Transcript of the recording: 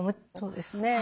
そうですね。